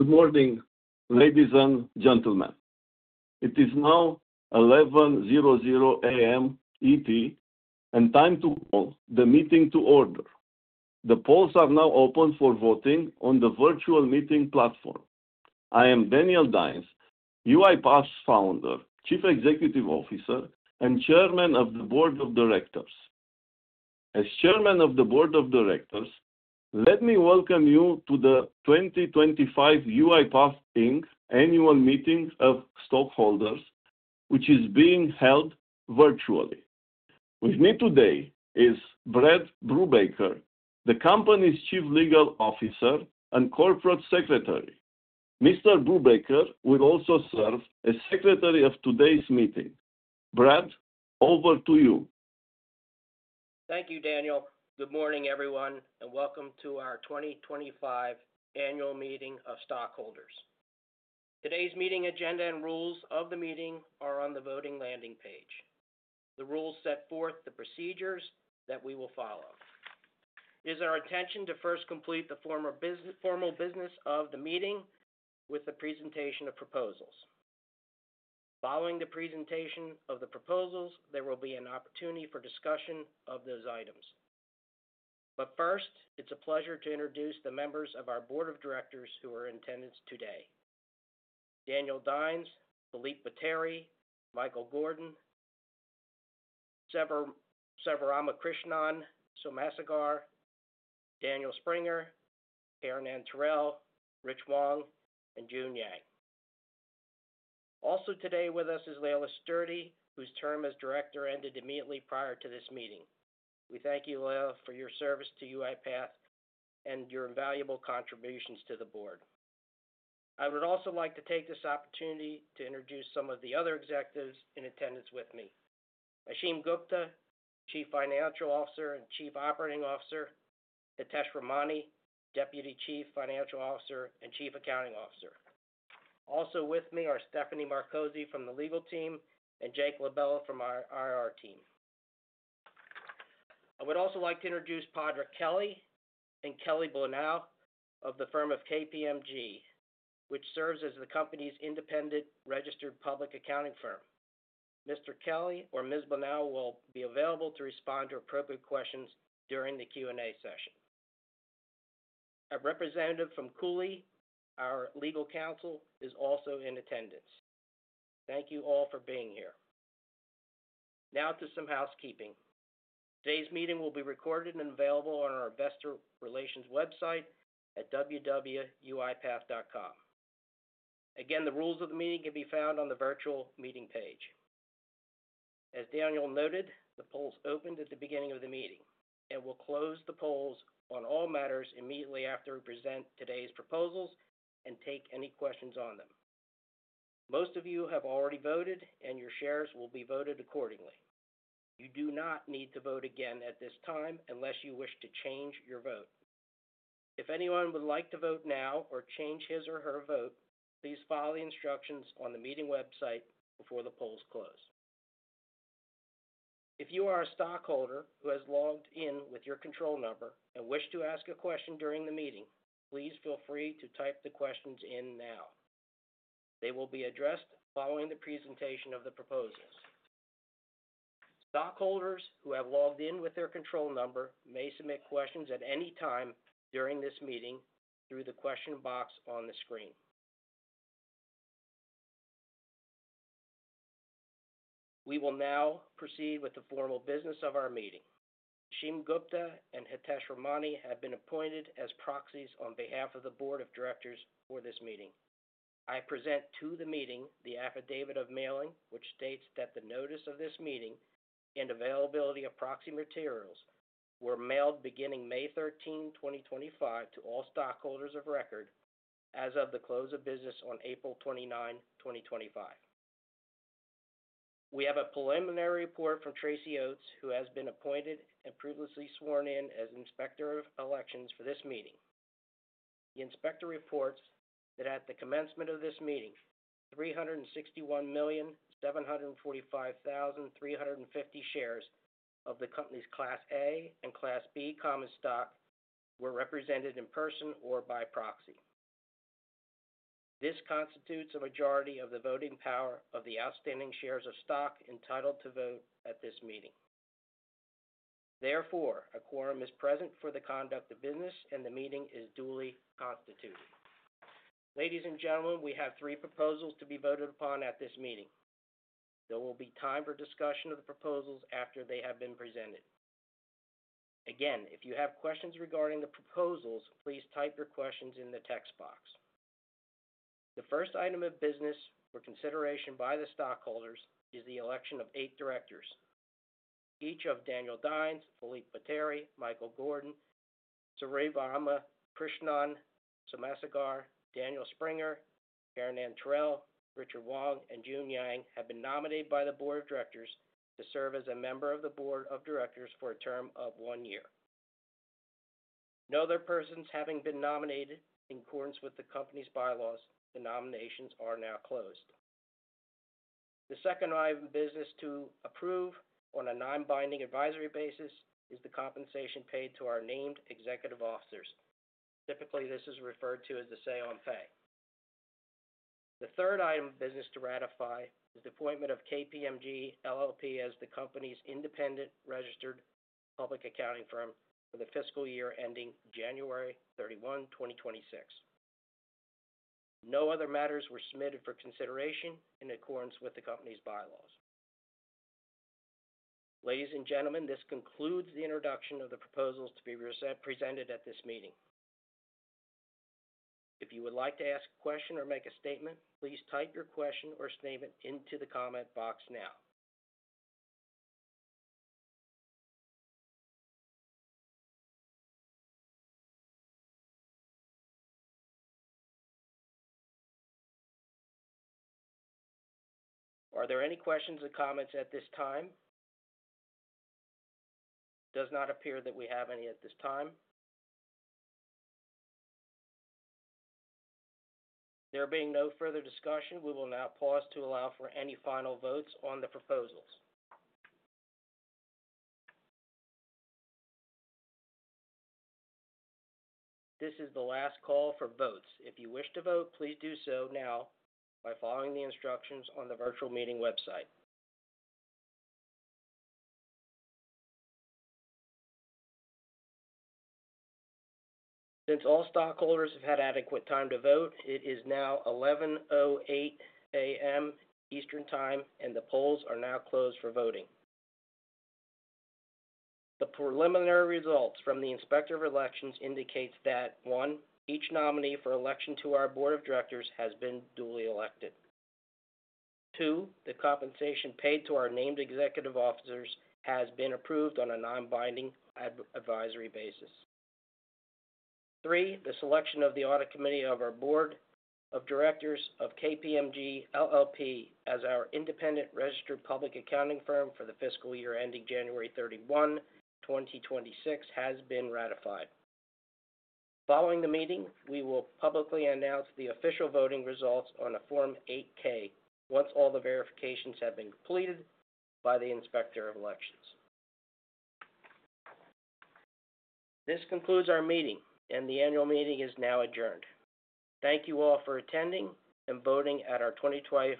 Good morning, ladies and gentlemen. It is now 11:00 A.M. ET, and time to call the meeting to order. The polls are now open for voting on the virtual meeting platform. I am Daniel Dines, UiPath's founder, chief executive officer, and chairman of the board of directors. As chairman of the board of directors, let me welcome you to the 2025 UiPath annual meeting of stockholders, which is being held virtually. With me today is Brad Brubaker, the company's chief legal officer and corporate secretary. Mr. Brubaker will also serve as secretary of today's meeting. Brad, over to you. Thank you, Daniel. Good morning, everyone, and welcome to our 2025 annual meeting of stockholders. Today's meeting agenda and rules of the meeting are on the voting landing page. The rules set forth the procedures that we will follow. It is our intention to first complete the formal business of the meeting with the presentation of proposals. Following the presentation of the proposals, there will be an opportunity for discussion of those items. First, it's a pleasure to introduce the members of our board of directors who are in attendance today: Daniel Dines, Philippe Botteri, Michael Gordon, Sivaramakrishnan Somasagar, Daniel Springer, Karenann Terrell, Richard Wong, and June Yang. Also today with us is Laela Sturdy, whose term as director ended immediately prior to this meeting. We thank you, Laela, for your service to UiPath and your invaluable contributions to the board. I would also like to take this opportunity to introduce some of the other executives in attendance with me: Ashim Gupta, Chief Financial Officer and Chief Operating Officer; Hitesh Ramani, Deputy Chief Financial Officer and Chief Accounting Officer. Also with me are Stephanie Marcozzi from the legal team and Jake LaBella from our IR team. I would also like to introduce Padraic Kelly and Kelly Bonell of the firm of KPMG, which serves as the company's independent registered public accounting firm. Mr. Kelly or Ms. Bonell will be available to respond to appropriate questions during the Q&A session. A representative from Cooley, our legal counsel, is also in attendance. Thank you all for being here. Now to some housekeeping. Today's meeting will be recorded and available on our investor relations website at www.uipath.com. Again, the rules of the meeting can be found on the virtual meeting page. As Daniel noted, the polls opened at the beginning of the meeting, and we'll close the polls on all matters immediately after we present today's proposals and take any questions on them. Most of you have already voted, and your shares will be voted accordingly. You do not need to vote again at this time unless you wish to change your vote. If anyone would like to vote now or change his or her vote, please follow the instructions on the meeting website before the polls close. If you are a stockholder who has logged in with your control number and wish to ask a question during the meeting, please feel free to type the questions in now. They will be addressed following the presentation of the proposals. Stockholders who have logged in with their control number may submit questions at any time during this meeting through the question box on the screen. We will now proceed with the formal business of our meeting. Ashim Gupta and Hitesh Ramani have been appointed as proxies on behalf of the board of directors for this meeting. I present to the meeting the affidavit of mailing, which states that the notice of this meeting and availability of proxy materials were mailed beginning May 13, 2025, to all stockholders of record as of the close of business on April 29, 2025. We have a preliminary report from Tracy Oates, who has been appointed and previously sworn in as inspector of elections for this meeting. The inspector reports that at the commencement of this meeting, 361,745,350 shares of the company's Class A and Class B common stock were represented in person or by proxy. This constitutes a majority of the voting power of the outstanding shares of stock entitled to vote at this meeting. Therefore, a quorum is present for the conduct of business, and the meeting is duly constituted. Ladies and gentlemen, we have three proposals to be voted upon at this meeting. There will be time for discussion of the proposals after they have been presented. Again, if you have questions regarding the proposals, please type your questions in the text box. The first item of business for consideration by the stockholders is the election of eight directors. Each of Daniel Dines, Philippe Botteri, Michael Gordon, Sivaramakrishnan Somasagar, Daniel Springer, Karenann Terrell, Richard Wong, and June Yang have been nominated by the board of directors to serve as a member of the board of directors for a term of one year. No other persons having been nominated in accordance with the company's bylaws, the nominations are now closed. The second item of business to approve on a non-binding advisory basis is the compensation paid to our named executive officers. Typically, this is referred to as the say-on-pay. The third item of business to ratify is the appointment of KPMG LLP as the company's independent registered public accounting firm for the fiscal year ending January 31, 2026. No other matters were submitted for consideration in accordance with the company's bylaws. Ladies and gentlemen, this concludes the introduction of the proposals to be presented at this meeting. If you would like to ask a question or make a statement, please type your question or statement into the comment box now. Are there any questions or comments at this time? It does not appear that we have any at this time. There being no further discussion, we will now pause to allow for any final votes on the proposals. This is the last call for votes. If you wish to vote, please do so now by following the instructions on the virtual meeting website. Since all stockholders have had adequate time to vote, it is now 11:08 A.M. Eastern Time, and the polls are now closed for voting. The preliminary results from the inspector of elections indicate that: one, each nominee for election to our board of directors has been duly elected. Two, the compensation paid to our named executive officers has been approved on a non-binding advisory basis. Three, the selection of the audit committee of our board of directors of KPMG LLP as our independent registered public accounting firm for the fiscal year ending January 31, 2026, has been ratified. Following the meeting, we will publicly announce the official voting results on a Form 8-K once all the verifications have been completed by the inspector of elections. This concludes our meeting, and the annual meeting is now adjourned. Thank you all for attending and voting at our 2025.